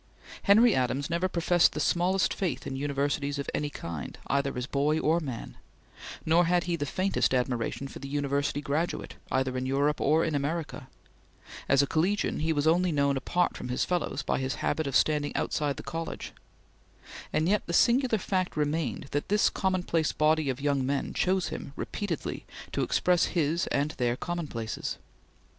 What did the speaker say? Henry Adams never professed the smallest faith in universities of any kind, either as boy or man, nor had he the faintest admiration for the university graduate, either in Europe or in America; as a collegian he was only known apart from his fellows by his habit of standing outside the college; and yet the singular fact remained that this commonplace body of young men chose him repeatedly to express his and their commonplaces.